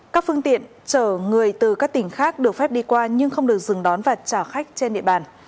các phương tiện chở người từ các tỉnh khác được phép đi qua nhưng không được dừng đón và trả khách trên địa bàn